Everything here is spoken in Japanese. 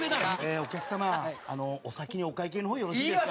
お客様、お先にお会計の方よろしいですか？